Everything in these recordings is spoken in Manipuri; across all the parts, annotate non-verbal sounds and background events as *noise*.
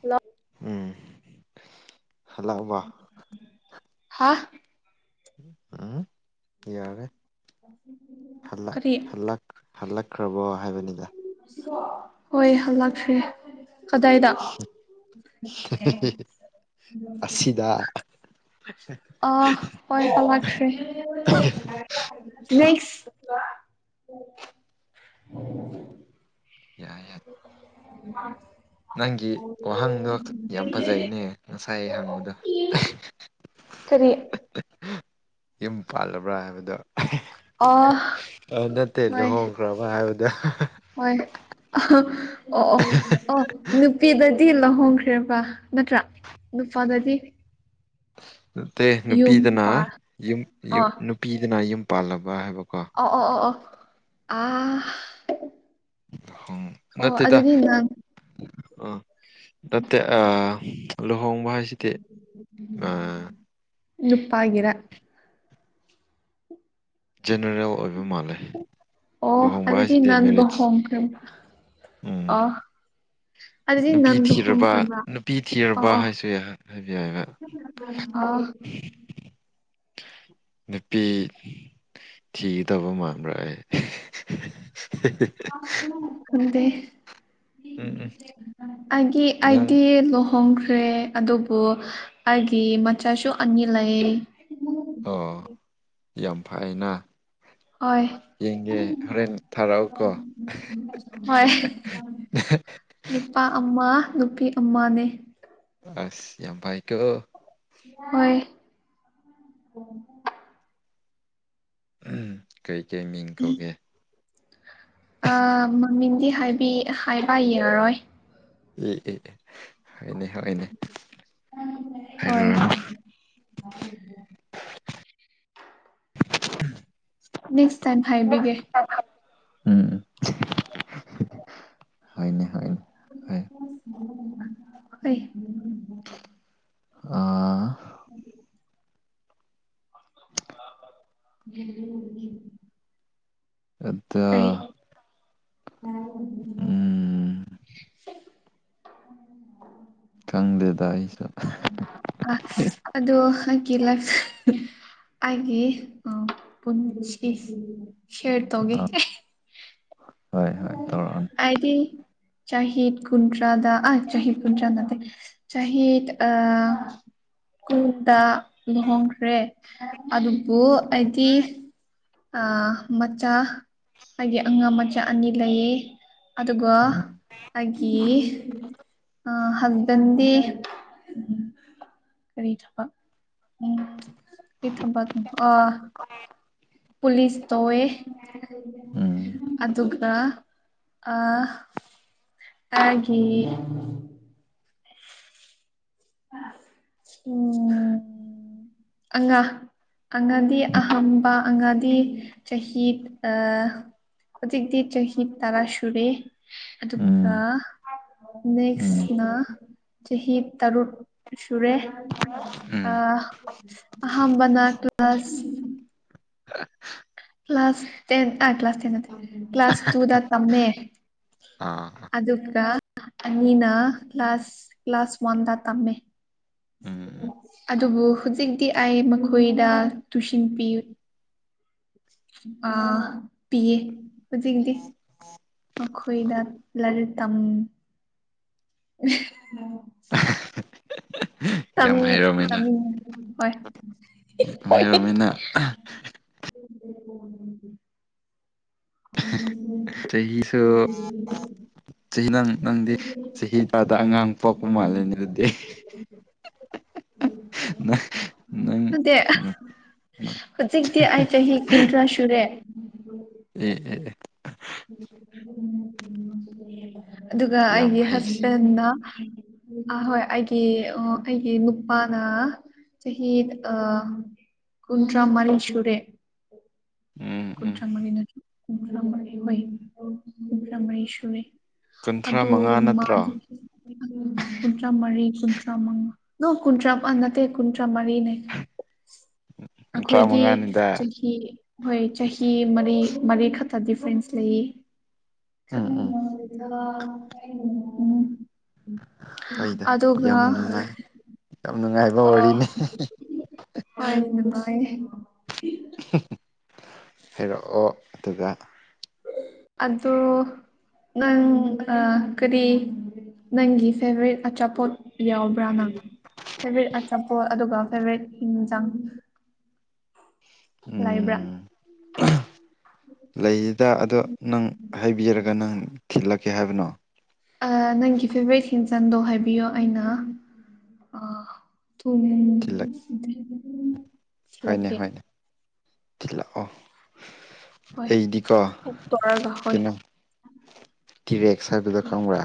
ꯍꯜꯂꯣ ꯎꯝ ꯍꯜꯂ ꯋꯥ ꯍꯥ ꯎꯝ ꯌꯥꯔꯦ ꯍꯜꯂ ꯀꯔꯤ ꯍꯜꯂꯛꯈ꯭ꯔꯕꯣ ꯍꯥꯏꯕꯅꯤꯗ ꯍꯣꯏ ꯍꯜꯂꯛꯁ꯭ꯦ ꯐꯗꯏꯗ ꯑꯁꯤꯗ ꯑ ꯍꯣꯏ ꯆ ꯂ꯭ꯔꯦ *unintelligible* ꯑ ꯌꯥꯏ ꯌꯥꯏ ꯅꯪꯒꯤ ꯋꯥꯍꯪꯗꯣ ꯌꯥꯝ ꯐꯖꯩꯅꯦ ꯉꯁꯥꯏ ꯍꯪꯕꯗꯣ *unintelligible* ꯀꯔꯤ ꯌꯨꯝ ꯄꯥꯜꯂꯕ꯭ꯔꯥ ꯍꯥꯏꯕꯗ ꯑꯥ ꯑ ꯅꯠꯇꯦ ꯍꯣꯏ ꯂꯨꯍꯣꯡꯈ꯭ꯔꯕ ꯍꯥꯏꯕꯗ ꯍꯣꯏ ꯑꯣ ꯑꯣ ꯑꯣ ꯅꯨꯄꯤꯗꯗꯤ ꯂꯍꯣꯡꯈ꯭ꯔꯦꯕ ꯅꯠꯇ꯭ꯔꯥ ꯅꯨꯄꯥꯗꯗꯤ ꯅꯠꯇꯦ ꯌꯨꯝ ꯅꯨꯄꯤꯗꯅ ꯄꯥ ꯌꯨꯝ ꯑꯣ ꯅꯨꯄꯤꯗꯅ ꯌꯨꯝ ꯄꯥꯜꯂꯕ ꯍꯥꯏꯕ ꯑꯣ ꯑꯣ ꯑꯣ ꯑꯣ ꯑ ꯍ ꯅꯠꯇꯦꯗ ꯑ ꯇꯇ ꯂꯍꯣꯡꯕꯥ ꯍ ꯁꯤꯇ ꯅꯨꯄꯥꯒꯤꯔ ꯖꯦꯅꯔꯦꯜ ꯑꯣꯏꯕ ꯃꯥꯜꯂꯦ ꯑꯣ ꯂꯨꯍꯣꯡꯕ ꯍꯥꯏꯁꯤꯗꯤ ꯃꯦꯔꯤꯠꯁ ꯑ ꯑꯗꯨꯗꯤ ꯅꯨꯄꯤ ꯅꯪꯗꯨ ꯊꯤꯔꯕ ꯍꯣꯡꯈ꯭ꯔꯕ꯭ꯔꯥ ꯅꯨꯄꯤ ꯑꯣ ꯊꯤꯔꯕ ꯑꯣ ꯍꯥꯏꯁꯨ ꯌꯥ- ꯍꯥꯏꯕ ꯌꯥꯏꯕ ꯑ ꯅꯨꯄꯤ ꯊꯤ ꯇꯕ ꯑꯃ꯭ꯔ ꯈꯗ ꯎꯝ ꯎꯝ ꯒꯤꯦ ꯅꯪ ꯑꯗꯤ ꯂꯣ ꯍꯣꯡꯈ꯭ꯔꯦ ꯑꯗꯨꯕꯨ ꯑꯩꯒꯤ ꯃꯆꯥꯁꯨ ꯑꯅꯤ ꯂꯩ ꯑꯣ ꯌꯥꯝ ꯐꯩꯅ ꯍꯣꯏ ꯌꯦꯡꯒꯦ ꯍꯣꯔꯦꯟ ꯊꯥꯔꯛꯑꯣꯀꯣ ꯍꯣꯏ ꯅꯨꯨꯄꯥ ꯑꯃ ꯅꯨꯄꯤ ꯑꯃꯅꯦ ꯑꯁ ꯌꯥꯝ ꯄꯥꯏꯀꯣ ꯍꯣꯏ ꯀꯩꯀꯩ ꯃꯤꯡ ꯀꯧꯒꯦ ꯃꯃꯤꯡꯗꯤ ꯍꯥꯏꯕ ꯌꯥꯔꯔꯣꯏ ꯑꯦ ꯍꯣꯏꯅꯦ ꯍꯣꯏꯅꯦ ꯍꯣꯏ ꯍꯥꯏꯔꯨꯔ *inaudible* ꯅꯦꯛꯁ ꯇꯥꯏꯝ ꯍꯥꯏꯕꯤꯒꯦ ꯎꯝ ꯍꯅꯦ ꯍꯅꯦ ꯍꯣꯏ ꯑꯥ ꯑꯗꯨꯝ ꯎ ꯑꯠꯇ ꯑ ꯎ ꯈꯪꯗꯦꯗ ꯑꯩꯁꯨ ꯑ ꯑꯗ ꯍꯥꯀꯤꯂ ꯑꯩꯒꯤ ꯄꯨꯟꯁꯤ ꯁꯌꯔ ꯇꯧꯒꯦ ꯑꯥ ꯍꯣꯏ ꯍꯣꯏ ꯇꯧꯔꯛꯑꯣꯅꯦ ꯍꯥꯏꯗꯤ ꯆꯍꯤꯗ ꯀꯨꯟꯗ꯭ꯔꯥꯗ ꯑꯥ ꯆꯍꯤꯗ ꯀꯨꯟꯗ꯭ꯔꯥꯗ ꯆꯍꯤꯗ ꯑ ꯀꯗ ꯂꯨꯍꯣꯡꯈ꯭ꯔꯦ ꯑꯗꯨꯕꯨ ꯑꯩꯗꯤ ꯃꯆꯥ ꯍꯥꯏꯗꯤ ꯑꯉꯥꯡ ꯃꯆꯥ ꯑꯅꯤ ꯂꯩꯌꯦ ꯑꯗꯨꯒ ꯎꯝ ꯑꯩꯒꯤ ꯑ ꯍꯁꯕꯗꯤ ꯀꯔꯤ ꯊꯕ ꯎꯝ ꯀꯔꯤ ꯊꯕ ꯑ ꯄꯨꯂꯤꯁ ꯇꯧꯑꯦ ꯎꯝ ꯑꯗꯨꯒ ꯑ ꯍꯥꯏꯦ ꯎꯝ ꯑꯉ ꯑꯪꯒꯗꯤ ꯎꯝ ꯑꯍꯝꯕ ꯑꯪꯒꯗꯤ ꯆꯍꯤ ꯍꯧꯖꯤꯛꯇꯤ ꯆꯍꯤ ꯇꯔꯥ ꯁꯨꯔꯦ ꯎꯝ ꯑꯗꯨꯒ ꯎꯝ ꯅꯦꯛꯦꯛꯁꯅꯥ ꯆꯍꯤ ꯇꯔꯨꯛ ꯁꯨꯔꯦ ꯑ ꯎꯝ ꯑꯍꯝꯕꯅ ꯀ꯭ꯂ ꯀ꯭ꯂꯥꯁ ꯀ꯭ꯂꯥꯁ ꯇ ꯑ ꯀ꯭ꯂꯥꯁ ꯇ ꯀ꯭ꯂꯥꯁ ꯇꯨ ꯗ ꯇꯃꯦ ꯑꯥ ꯑꯗꯨꯗ ꯀ ꯅꯤꯅ ꯀ꯭ꯂ ꯀ꯭ꯂꯥꯁꯥꯁ ꯀ꯭ꯂꯥꯁꯥꯁ ꯋꯥꯟꯗ ꯇꯝꯃꯦ ꯎꯝ ꯎꯝ ꯑꯗꯨꯕꯨ ꯍꯧꯖꯤꯛꯇꯤ ꯑꯩ ꯃꯈꯣꯏꯗ ꯇꯨꯁꯤꯟ ꯄꯤ ꯑꯥ ꯄꯤꯌꯦꯦ ꯍꯧꯖꯤꯗꯤ ꯃꯈꯣꯏꯗ ꯂꯥꯏꯔꯤꯛ ꯇꯝ *inaudible* ꯌꯥꯝ ꯍꯩꯔꯝꯃꯦꯅ ꯃꯤ ꯍꯣꯏ ꯍꯣꯏ ꯑ ꯍ ꯆꯍꯤꯁꯨ ꯆꯍꯤ ꯅꯪ ꯅꯪꯗꯤ ꯆꯍꯤ ꯇꯔꯗ ꯑꯉꯥꯡ ꯄꯣꯛꯄ ꯃꯥꯜꯂꯦꯅꯦ ꯑꯗꯨꯗꯤ ꯅ ꯍꯧꯖꯤꯛꯇꯤ ꯑꯩ ꯆꯍꯤ ꯀꯨꯟꯊ꯭ꯔꯥ ꯁꯨꯔꯦ ꯑꯦ ꯑꯗꯨꯒ ꯌꯥꯝ ꯑꯩꯒꯤ ꯍꯩꯁꯤꯡ ꯍꯁꯕꯦꯟꯅ ꯑ ꯍꯣꯏ ꯑꯩꯒꯤ ꯑꯩꯒꯤ ꯅꯨꯄꯥꯅ ꯁꯍꯤꯗ ꯑ ꯀꯨꯟꯗ꯭ꯔꯥ ꯃꯔꯤ ꯁꯨꯔꯦ ꯎꯝ ꯎꯝ ꯀꯨꯟꯗ꯭ꯔꯥ ꯃꯔꯤ ꯀꯨꯟ꯭ꯔꯥꯔꯤꯩ ꯀꯨꯟꯗ꯭ꯔꯥ ꯃꯔꯤ ꯁꯨꯔꯦ ꯀꯨꯟꯊ꯭ꯔꯥ ꯑꯣ ꯃꯉꯥ ꯃꯥ ꯅꯠꯇ꯭ꯔꯣ ꯀꯨꯟꯊ꯭ꯔꯥ ꯃꯔꯤ ꯨ꯭ꯔ ꯅꯨꯟ꯭ꯔꯥꯨꯟ ꯆꯃꯔꯤꯅꯦ ꯀꯨꯟꯊ꯭ꯔꯥ ꯑꯩꯈꯣꯏꯗꯤ ꯃꯉꯥꯅꯤꯗ ꯆꯍꯤ ꯍꯣꯏ ꯃꯔ ꯈꯛꯇ ꯗꯤꯐ꯭ꯔꯦꯟꯁ ꯂꯩ ꯎꯝ ꯍꯣꯏꯗ ꯌꯥꯝ ꯑꯒ ꯅꯨꯡꯉꯥꯏ ꯌꯥꯝ ꯅꯨꯡꯉꯥꯏꯕ ꯑ ꯋꯥꯔꯤꯅꯤ ꯍꯣꯏꯣꯏꯅꯦ ꯍꯥꯏꯔꯛꯑꯣ ꯑꯗꯨꯒ ꯑꯗꯣ ꯅꯪ ꯑ ꯀꯔꯤ ꯅꯪꯒꯤ ꯐꯦꯚꯣꯔꯥꯏꯠ ꯑꯆꯥꯄꯣꯠ ꯌꯥꯎꯕ꯭ꯔꯥ ꯅꯪ ꯐꯦꯚꯔꯔꯤꯠ ꯑꯆꯥꯄꯣꯠ ꯑꯗꯨꯒ ꯐꯦꯚꯔꯤꯠ ꯌꯦꯡꯖꯥꯡ ꯎꯝ ꯂꯩ ꯁꯤꯗ ꯑꯗꯣ ꯅꯪ ꯍꯥꯏꯕꯤꯔꯔꯒ ꯅꯪ ꯊꯤꯜꯂꯛꯀꯦ ꯍꯥꯏꯕꯅꯣ ꯆꯟꯗꯣ ꯍꯥꯏꯕꯤꯌꯣ ꯑꯩꯅ ꯊ ꯊꯤꯜꯂꯛ ꯍꯣꯏꯅꯦ ꯏꯁꯂꯀꯦ ꯍꯣꯏꯅꯦ ꯊꯤꯜꯂꯛꯑꯣ ꯍꯣꯏ ꯑꯩꯗꯤꯀꯣ ꯀꯨꯛ ꯇꯧꯔꯒ ꯍꯣꯏ ꯀꯩꯅꯣ ꯀꯤ ꯔꯦꯛꯁꯔꯕꯤꯗ ꯀꯔꯤ ꯈꯪꯕ꯭ꯔꯥ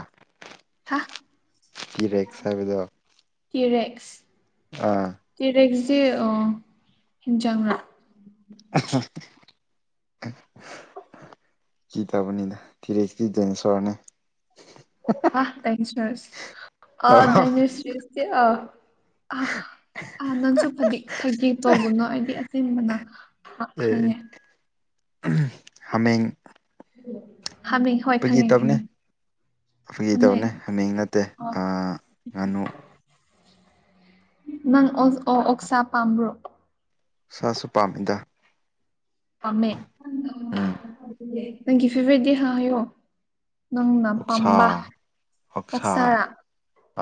ꯍꯥ ꯀꯤ ꯔꯦꯛꯦꯛ ꯁꯥꯕꯗꯣ ꯇꯔꯦꯛꯁ ꯇꯔꯦꯛꯁꯁꯦ ꯍꯤꯟꯖꯥꯡ *unintelligible* ꯀꯤ ꯇꯕꯨꯅꯤꯗ ꯊꯤꯔꯛꯇꯗꯅ ꯁꯔꯅ ꯑ ꯇꯁ ꯑ ꯇꯩꯅ ꯑ ꯑ ꯑꯥ ꯅꯪꯁꯨ ꯐꯗꯤ ꯐꯒꯦ ꯇꯧꯒꯨꯅꯨ ꯑꯩꯗꯤ ꯑꯆꯤꯟꯕꯅ ꯑ ꯑꯦ ꯍꯦ ꯍꯥꯃꯦꯡ ꯍꯥꯃꯦ ꯍꯣꯏ ꯈꯪꯉꯦ ꯈꯪꯉꯦ ꯑꯩꯒꯤ ꯇꯧꯅꯦ ꯍꯥꯃꯦꯡ ꯅꯠꯇꯦ ꯑꯣ ꯉꯥꯅꯨ ꯅꯪ ꯑꯣ ꯑꯣ ꯑꯣꯛꯁꯥ ꯄꯥꯝꯕ꯭ꯔꯣ ꯁꯥꯁꯨ ꯄꯥꯝꯃꯤꯗ ꯄꯥꯝꯃꯦ ꯎꯝ ꯅꯪꯒꯤꯐꯤꯕꯗꯤ ꯍꯥꯏ ꯍꯥꯏꯌꯣ ꯅꯪꯅ ꯑꯣꯛꯁꯥ ꯄꯥꯝꯕ ꯑꯣꯛꯁꯥ ꯑꯣꯛꯁꯔꯥ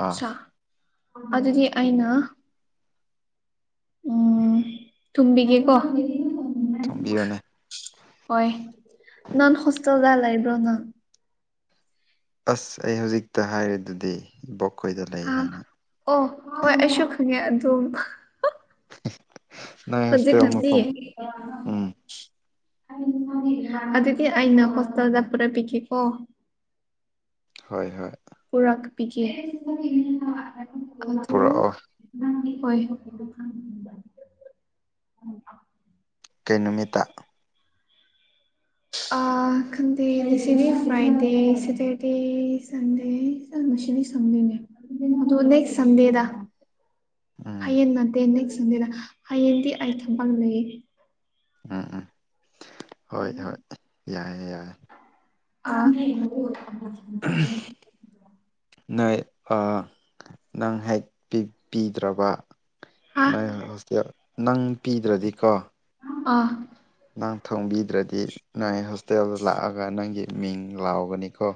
ꯑꯥ ꯑꯗꯨꯗꯤ ꯑꯩꯅ ꯎꯝ ꯇꯨꯝꯕꯤꯒꯦꯀꯣ ꯊꯣꯡꯕꯤꯌꯣꯅꯦ ꯍꯣꯏ ꯅꯟ ꯍꯣꯁꯇꯦꯜꯗꯥꯏꯕ꯭ꯔꯣꯅ ꯑꯁ ꯑꯩ ꯍꯧꯖꯤꯛꯇ ꯍꯥꯏꯔꯤꯗꯨꯗꯤ ꯏꯕꯣꯛ ꯑꯥ ꯑꯣ ꯍꯣꯏ ꯑꯁꯨ ꯈꯪꯉꯦ ꯑꯗꯨ *unintelligible* ꯍꯧꯖꯤꯛ ꯍꯣꯁꯇꯦꯜ ꯈꯥꯟꯗꯤ ꯃꯐꯝ ꯎꯝ ꯑꯗꯨ ꯑꯗꯨꯗꯤ ꯑꯏꯩꯅ ꯀꯁꯖ ꯄꯨꯔꯥ ꯄꯤꯀꯣ ꯍꯣꯏ ꯍꯣꯏ ꯄꯨꯔꯛ ꯄꯤ ꯑꯗꯨ ꯄꯨꯔꯛꯑꯣ ꯍꯣꯏ ꯀꯩ ꯅꯨꯃꯤꯠꯇ ꯑ ꯈꯟꯗꯦ ꯁꯤꯅꯦ ꯐ꯭ꯔꯥꯏꯗꯦ ꯁꯦꯇꯔꯗꯦ ꯁꯟꯗꯦ ꯃꯁꯅꯤ ꯁꯗꯅꯦ ꯑꯗꯨꯅ ꯁꯗꯦꯗ ꯎꯝ ꯍꯌꯦꯡ ꯅꯠꯇꯦ ꯅꯦꯛꯁ ꯁꯟꯗꯦꯗ ꯍꯌꯦꯡꯗꯤ ꯑꯩ ꯊꯕꯛ ꯂꯩ ꯎꯝ ꯎꯝ ꯍꯣꯏ ꯍꯣꯏ ꯌꯥꯏꯦ ꯌꯥꯏꯔꯦ *unintelligible* ꯅꯣꯏ ꯅꯪ ꯍꯦꯛ ꯄꯤꯗ꯭ꯔꯕ ꯑꯥ ꯅꯁꯦꯜ ꯅꯪ ꯄꯤꯗ꯭ꯔꯗꯤ ꯀꯣ ꯑ *unintelligible* ꯅ ꯊꯣꯡꯕꯤꯗ꯭ꯔꯗꯤ ꯅꯪ ꯍꯣꯁꯇꯦꯜꯗ ꯂꯥꯛꯑꯒ ꯅꯪꯒꯤ ꯃꯤꯡ ꯂꯥꯎꯒꯅꯤꯀꯣ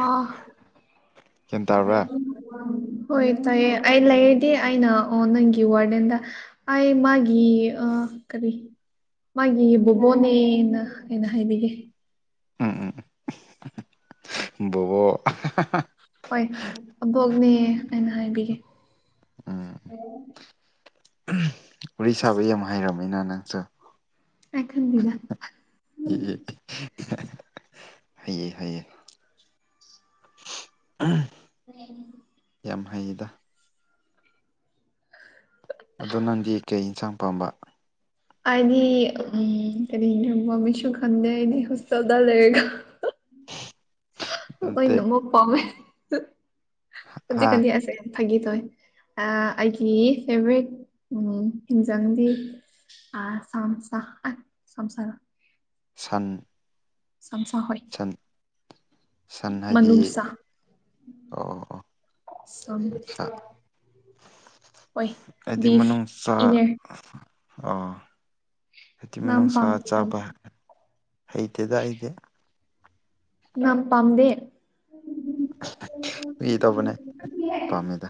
ꯑꯥ ꯒ꯭ꯌꯥꯟ ꯇꯥꯕ꯭ꯔꯥ ꯍꯣꯏ ꯇꯥꯏꯌꯦꯦ ꯑꯩ ꯂꯩꯔꯗꯤ ꯑꯩꯅ ꯑꯣ ꯅꯪꯒꯤ ꯋꯥꯔꯗꯦꯟꯗ ꯑꯩ ꯃꯥꯒꯤ ꯀꯔꯤ ꯃꯥꯒꯤ ꯕꯣꯕꯣꯅꯦꯅ ꯀꯩꯅ ꯍꯥꯏꯕꯤꯒꯦ ꯎꯝ ꯎꯝ ꯕꯣ ꯑꯦ ꯑꯅ ꯍꯥꯏꯕꯤꯒꯦ ꯎꯝ ꯎꯔꯤꯁꯥꯕꯨ ꯌꯥꯝ ꯍꯥꯏꯔꯝꯃꯤꯅ ꯅꯪꯁꯨ ꯑꯦꯪꯕꯤꯗꯥ ꯍꯥꯏꯩꯌꯦ ꯍꯥꯏꯌꯦꯌꯦ ꯎꯝ ꯎꯝ ꯌꯥꯝ ꯍꯥꯏꯩꯗ ꯑꯗꯣ ꯅꯪꯗꯤ ꯀꯩ ꯌꯦꯟꯁꯥꯡ ꯄꯥꯝꯕ ꯑꯩꯗꯤ ꯎꯝ ꯀꯔꯤꯅꯦ ꯃꯃꯤꯁꯨ ꯈꯟꯗꯦ ꯑꯩꯅꯦ ꯍꯣꯁꯇꯦꯜꯗ ꯂꯩꯔꯒ ꯑ ꯅꯠꯇꯦ ꯑꯣꯏꯅꯣ ꯃꯛ ꯄꯃꯦꯖꯤ ꯍꯥ ꯀꯅꯤꯗꯤ ꯑꯁ ꯐꯥꯒꯤ ꯇꯣꯏ ꯑꯩꯒꯤ ꯐꯦꯕꯣꯔꯥꯏꯠ ꯍꯤꯡꯖꯪꯗꯤ ꯑꯥꯁꯔ ꯁꯟ ꯆꯝꯆꯥꯥ ꯍꯣꯏ ꯁꯟ ꯁꯟ ꯃꯅ ꯍꯥꯏꯗꯤ ꯁꯥ ꯑꯣ ꯑꯣ ꯑꯣ ꯅꯨꯡꯁꯥ ꯍꯥꯏꯗꯤ ꯃꯅꯨꯡ ꯆꯥ ꯏꯅꯔ ꯑ ꯍꯥꯏꯇꯤꯃꯛ ꯅꯝ ꯅꯨꯡꯁꯥ ꯄꯥꯝꯗ ꯆꯥꯕ ꯍꯩꯇꯦꯗ ꯍꯇꯦ ꯉ ꯄꯝꯗꯦ ꯏ ꯇꯧꯕꯅꯦ ꯄꯥꯝꯃꯦꯗ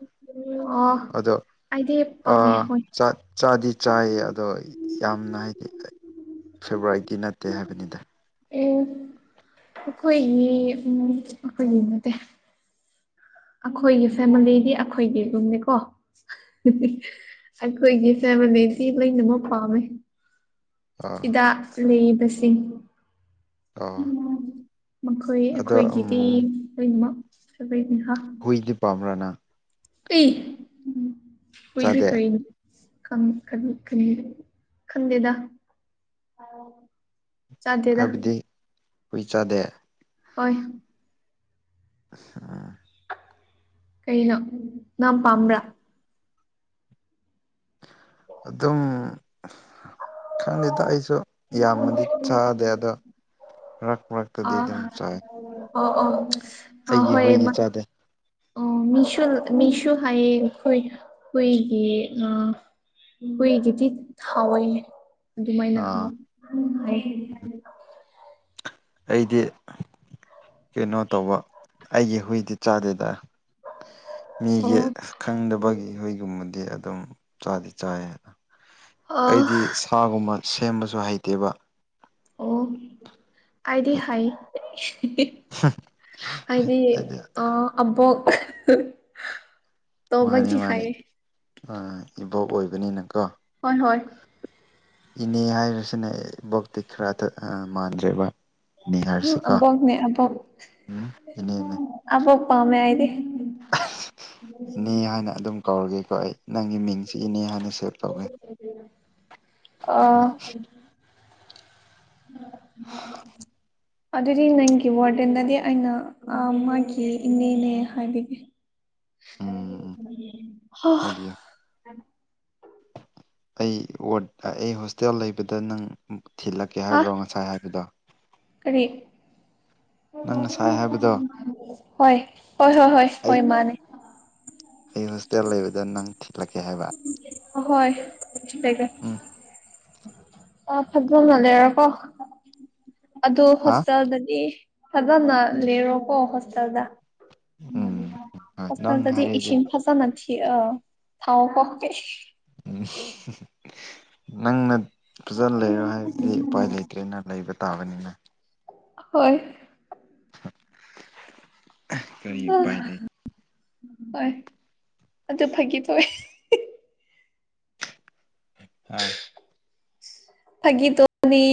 ꯑꯣ ꯑꯗꯣ ꯑꯩꯗꯤ ꯑ ꯄꯥꯝꯃꯦ ꯍꯣꯏ ꯆ ꯆꯥꯗꯤ ꯆꯥꯏꯌꯦ ꯑꯗꯣ ꯌꯥꯝꯅ ꯍꯥꯏꯗꯤ ꯐꯦꯕꯣꯔꯥꯏꯗꯤꯤ ꯅꯠꯇꯦ ꯍꯥꯏꯕꯅꯤꯗ ꯑꯦ ꯑꯩꯈꯣꯏꯒꯤ ꯑꯩꯈꯣꯏꯒꯤ ꯅꯠꯇꯦ ꯑꯩꯈꯣꯏꯒꯤ ꯐꯦꯃꯤꯂꯤꯗꯤ ꯑꯩꯈꯣꯏꯒꯤ ꯔꯨꯝꯅꯤꯀꯣ ꯑꯩꯈꯣꯏꯒꯤ ꯐꯦꯃꯤꯂꯤꯁꯤ ꯂꯩꯃꯛ ꯄꯥꯝꯃꯦ ꯑꯥ ꯆꯤꯗꯥꯛ ꯂꯩꯔꯤꯕꯁꯤꯡ ꯑ ꯃꯈꯣꯏ ꯑꯩꯈꯣꯏꯒꯤꯗꯤ ꯂꯣꯏꯅꯃꯛ ꯐꯕ ꯍꯨꯏꯗ ꯄꯝꯔꯥꯅ ꯍꯨꯢꯗꯤ ꯆꯥꯗꯦ ꯀꯅꯤ ꯈꯪꯟ ꯈꯪꯗꯦꯗ ꯆꯗꯦꯗ ꯍꯨꯏꯆꯥꯗꯦ ꯍꯣꯏ ꯑꯥ ꯀꯩꯅꯣ ꯅꯪꯄꯥꯝꯕ꯭ꯔꯥ ꯑꯗꯨꯝ ꯈꯪꯗꯦꯗ ꯑꯩꯁ ꯁꯨ ꯌꯥꯝꯃꯗꯤ ꯆꯥꯗꯦ ꯑꯗꯣ ꯃꯔꯛ ꯃꯔꯛꯇꯗꯤ ꯑꯗꯨꯝ ꯆꯥꯏ ꯑꯣ ꯑꯣ ꯑꯩꯒꯤ ꯍꯨꯏꯗꯤ ꯆꯥꯗꯦ ꯑꯣ ꯃꯤꯁꯩ ꯃꯤꯁꯨ ꯍꯥꯏꯌꯦ ꯍꯨꯏꯒꯤ ꯑ ꯍꯨꯢꯒꯤꯗꯤ ꯍꯥꯎꯏ ꯑꯗꯨꯃꯥꯏꯅ ꯍꯥꯎ ꯑꯥ ꯍꯥꯏ ꯑꯩꯗꯤ ꯀꯩꯅꯣ ꯇꯧꯕ ꯑꯩꯒꯤ ꯍꯨꯏꯗꯤ ꯆꯥꯗꯦꯗ ꯃꯤꯒꯤ ꯑꯣ ꯈꯪꯗꯕꯒꯤ ꯍꯨꯏꯒꯨꯝꯕꯗꯤ ꯑꯗꯨꯝ ꯆꯥꯗꯤ ꯆꯥꯏ ꯍꯥꯏꯅ ꯑ ꯑꯩꯗꯤ ꯁꯥꯒꯨꯝꯕ ꯁꯦꯝꯕꯁꯨ ꯍꯩꯇꯦꯕ ꯑꯣ ꯑꯩꯗꯤ ꯍꯥꯏ ꯍꯥꯏꯗꯤ ꯑ ꯑꯕꯣꯛ ꯇꯣꯕ ꯒꯤꯍꯥꯏꯌꯦ ꯏꯕꯣꯛꯑꯣꯏꯕꯅꯤꯅꯀꯣ ꯍꯣꯏ ꯍꯣꯏ ꯏꯅꯦ ꯍꯥꯏꯔꯤꯁꯤꯅ ꯚꯣꯛꯇꯤ ꯈꯔꯗ ꯃꯥꯟꯗ꯭ꯔꯦꯕ ꯏꯅꯦ ꯎꯝ ꯍꯥꯏꯔꯤꯁꯤꯀꯣ ꯑꯕꯣꯛꯅꯦ ꯑꯕꯣꯛ ꯎꯝ ꯑꯕꯣꯛ ꯄꯥꯝꯃꯦ ꯑꯩꯗꯤ ꯏꯄꯦꯍꯥꯏꯅ ꯑꯗꯨꯝ ꯀꯧꯔꯒꯦꯀꯣ ꯑꯩ ꯅꯪꯒꯤ ꯃꯤꯡꯁꯤ ꯏꯅꯦ ꯍꯥꯏꯅ ꯁꯦꯞ ꯇꯧꯒꯦ ꯑ ꯑꯗꯨꯗꯤ ꯅꯪꯒꯤ ꯋꯥꯔꯗꯦꯟꯗꯗꯤ ꯑꯩꯅ ꯃꯥꯒꯤ ꯏꯅꯦꯅꯦ ꯍꯥꯏꯕꯤꯒꯦ ꯎꯝ ꯎꯝ ꯍ ꯍꯥꯏꯕꯤꯌꯨ ꯑꯩ ꯋꯥꯗ ꯑꯩ ꯍꯣꯁꯇꯦꯜ ꯂꯩꯕꯗ ꯅꯪ ꯊꯤꯜꯂꯛꯀꯦ ꯍꯥꯏꯕ꯭ꯔꯣ ꯉꯁꯥꯏ ꯍꯥꯏꯕꯗꯣ ꯀꯔꯤ ꯍꯣꯏ ꯅꯪ ꯍꯣꯏ ꯉꯁꯥꯏ ꯍꯥꯏꯕꯗꯣ ꯍꯣꯏ ꯍꯣꯏ ꯑꯩ ꯍꯣꯏ ꯃꯥꯅꯦ ꯑꯩ ꯍꯣꯁꯇꯦꯜ ꯂꯩꯕꯗ ꯅꯪ ꯊꯤꯠꯂꯛꯀꯦ ꯍꯥꯏꯕ ꯍꯣꯏ ꯁꯤꯇꯒꯦ ꯎꯝ ꯑ ꯐꯖꯅ ꯂꯩꯔꯣꯀꯣ ꯑꯗꯨ ꯍꯥ ꯍꯣꯁꯇꯦꯜꯗꯗꯤ ꯐꯖꯅ ꯎꯝ ꯂꯩꯔꯀꯣ ꯍꯁꯗ ꯎꯝ ꯍꯣꯏ ꯅꯪ ꯍꯣꯁꯇꯦꯜꯗꯗꯤ ꯍꯥꯏꯔꯗꯤ ꯏꯁꯤꯝ ꯐꯖꯅ ꯑ ꯊꯥꯎ ꯀ ꯅꯪꯅ ꯐꯖꯅ ꯂꯩꯔꯣꯏ ꯍꯥꯏꯕꯗꯤ ꯎꯄꯥꯏ ꯂꯩꯇ꯭ꯔꯦꯅ ꯂꯩꯕ ꯇꯥꯕꯅꯤꯅ ꯍꯣꯏ ꯀꯔꯤ ꯎꯄꯥꯏ ꯂꯩ ꯍꯣꯏ ꯑꯗꯨ ꯐꯒꯤ ꯊꯣꯛꯑꯦ ꯑꯥ ꯐꯒꯤ ꯇꯅꯤ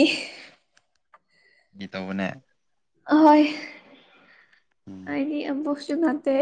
ꯐꯒꯤ ꯇꯧꯕꯅꯦ ꯑꯍꯣꯏ ꯎꯝ ꯍꯥꯏꯗꯤ ꯌꯥꯝꯕꯣꯛꯁꯨ ꯅꯠꯇꯦ